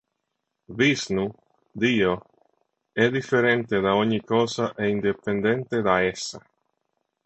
Viṣṇu, Dio, è differente da ogni cosa e indipendente da essa.